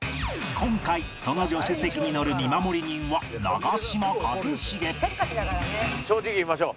今回その助手席に乗る見守り人は正直言いましょう。